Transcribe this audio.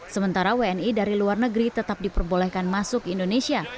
sementara wni dari luar negeri tetap diperbolehkan masuk ke indonesia